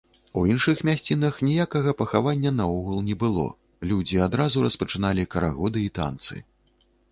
У іншых мясцінах ніякага пахавання наогул не было, людзі адразу распачыналі карагоды і танцы.